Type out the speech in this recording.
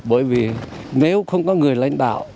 bởi vì nếu không có người lãnh đạo